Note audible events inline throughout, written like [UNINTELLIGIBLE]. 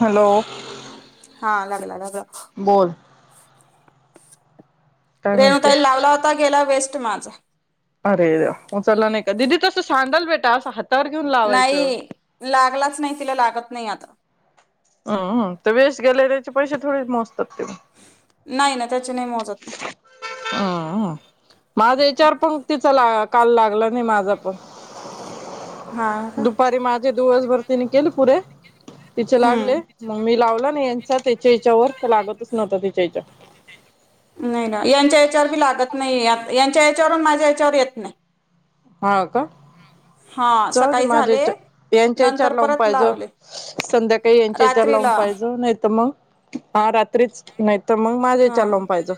Hello हा लागला लग बोल काय म्हणते रेणुताईला लावला होता गेला वेस्ट माझा. अरेरे उचलला नाही का द दिदी तसं सांडल भेटा असं. हातावर घेऊन नाही लावायचं लागलाच नाही तिला लागत नाही आता. हम्म ते वेस्ट गेले त्याचे पैसे थोडे मोजतात ते. नाही ना त्याची नाही मोजत. हम्म माझा ह्याचावर पण तिचा ला काल लागला नाही माझं हा पण का दुपारी माझे दिवसभरतीने केले पुरे. तिचे हम्म लागले मग मी लावला ना यांचा त्याच्या याच्यावर तर लागतच नव्हता तिच्या यांच्यावर. नाही ना यांच्या याच्यावर बी लागत नाही यांच्या याच्यावरून माझ्या याच्यावर येत नाही. हां का हा जाऊदे सकाळी झाले माझ्याच्या यांच्या विचार नंतर लावून परत पाहिजे लावले संध्याकाळी यांच्या विचार लावून. रात्रीला पाहिज नाही तर मग हा रात्रीच नाही तर मग माझा हा ह्याचावर लावून पाहायचं.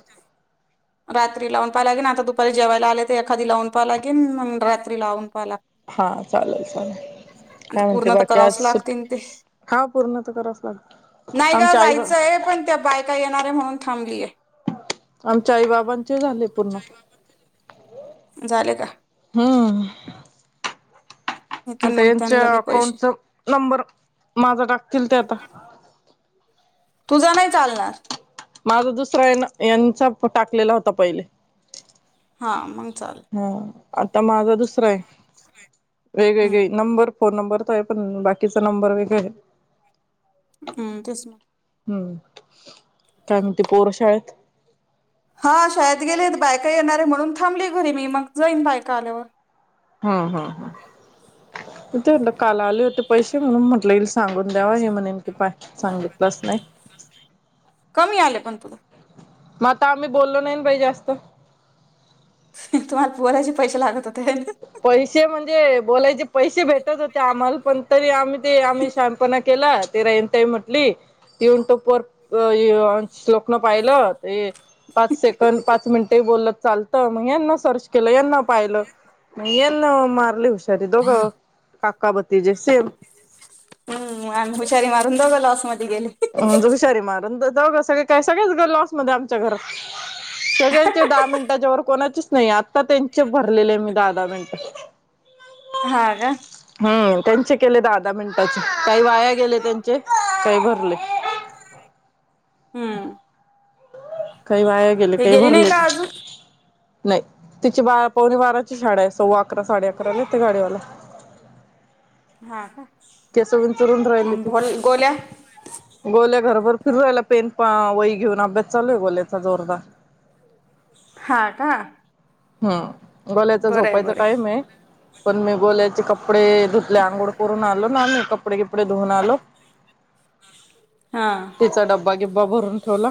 रात्री लावून पहाव लागे ना आता दुपारी जेवायला आले तर एखादी लावून पहा लागे म रात्री लावून. पाहा लाग हा चालेल चालेल. आता काय म्हणते पूर्ण तर बाकी आज करावंच सु लागतील ते हा पूर्ण तर कराच लागत. नाही का जायचंय पण त्या बायका येणार आहे म्हणून थांबलीय. आमच्या आई बाबांचे झाले पूर्ण. झाले का? हं येतील आता मग यांच्या त्यांना बी पैसे अकाउंटचा नंबर माझा टाकतील ते आता. तुझा नाही चालणार. माझा दुसरा हायना यांचा टाकलेला होता पहिले. हा मग. चालेल हा आता माझा दुसरा आहे. वेगवेगळे हम्म नंबर. फोन नंबर तो आहे तो. पण बाकीचा नंबर वगैरे. हम्म तेच. हम्म म्हणती पोर शाळेत. हा शाळेत गेलेत बायका येणारे म्हणून थांबली घरी मी. मग जाईन बायका आल्यावर. हम्म. हम्म. त ते म्हणलं काल आला. होते पैसे म्हणून म्हटलेल सांगून द्यावा. हे म्हणे की पाटील सांगितलंच नाही. कमी आले पण तुला. मग आता आम्ही बोललो नाही ना बाई जास्त. तुम्हाला बोलायचे पैसे लागत होते. है ना. पैसे म्हणजे बोलायचे पैसे भेटत होते आम्हाला. पण तरी आम्ही ते आम्ही शाहान पणा केला. ते रायन ताई म्हटली. युट्युब वर श्लोकन पाहिलं. ते पाच सेकंड. पाच मिनिटे. बोलत चालतं. मग यांना सर्च केलं. यांना पाहिलं. नाहीन मारली हुशारी दोघं. काका बतीजे सेम. हम् आणि हुषारी मारूनंद दोघं लावू असं म्हणतात. अम हुशारी मारून जाऊ ग. सगळे काय सगळेच ग लॉसमध्ये आमच्या घरात. सगळ्यांचे दहा मिनिटांच्या वर कोणाचेच नाही. आत्ता त्यांचे भरलेले आहे मी दहा-दहा मिनिट. हा ग्. हम् त्यांचे केले दहा-दहा मिनिटाचे काही वाया गेले त्यांचे. काही भरले. हम्म. काही वाया गेले हे काही गेली नाही भरले. का अजून नाही तिची बारा पवणी बाराची शाळा आहे. सव्वा अकरा साडे अकराला येत गाडीवाला. हा का. केस सोडून फिरून राहिली आणि ती भोल गोल्या गोल्या घरभर. फिरुन राहीला पेन वही घेऊन. अभ्यास चालू आहे गोल्याचा जोरदार. हा का. हम्म गोल्याच बरं आहे झोपायचं बरं टाईम आहे. पण मी गोल्याचे कप कपडे धुतले. आंघोळ करून आलो ना आम्ही. कपडे बीपडे धुऊून आलो. हां तिचा डब्बा गिब्बा भरून ठेवला.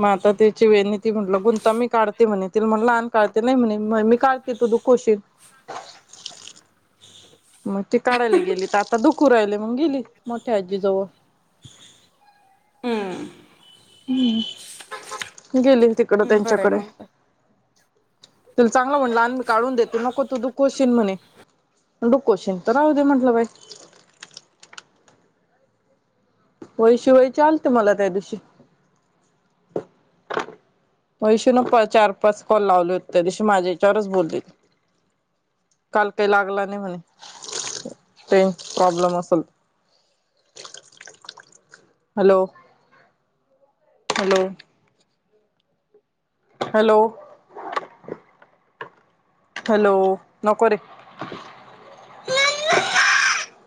म आता तिची वेणी. म्हटलं गुंता ममी काढतो. ते म्हणल मग आण काढते. नाही म्हणे. मी काढते तु दुखवशील. मग ती काढायला गेली. तर आता दुखून राहिल. मग गेली मोठ्या आजीजवळ. हम्म. हम् गेली तिकडं हं, बरं आहे त्यांच्याकडे. मग काय. तुला चांगलं म्हणलं. आणि मी काढून देते. नको तू दुखशील म्हणे. दुखवशील तर राहू दे म्हंटलं बाई. ह [UNINTELLIGIBLE] व्हय शिव विचारलते मला त्या दिवशी वैशु ला पा चार पाच कॉल लावले होते, त्यादिवशी माझ्या हेच्यावरच बोल्ले. काल काय लागला नाही म्हणे, रेंज प्रॉब्लेम असेल. ह [INAUDIBLE] हॅलो. हॅलो. हॅलो. हॅलो. नको रे.